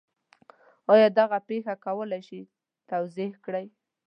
آیا دغه پېښه کولی شئ توضیح کړئ؟